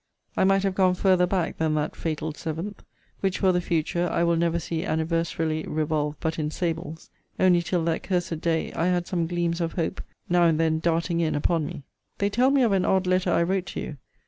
I might have gone farther back than that fatal seventh; which, for the future, I will never see anniversarily revolve but in sables; only till that cursed day I had some gleams of hope now and then darting in upon me. They tell me of an odd letter I wrote to you.